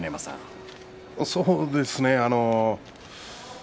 そうですね。